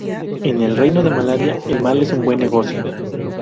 En el reino de Malaria, el mal es un buen negocio.